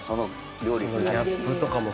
ギャップとかも含めて。